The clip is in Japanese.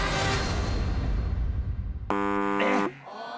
えっ！